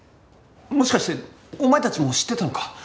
もしかしてお前たちも知ってたのか？